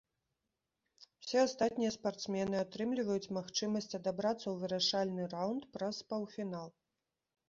Усе астатнія спартсмены атрымліваюць магчымасць адабрацца ў вырашальны раўнд праз паўфінал.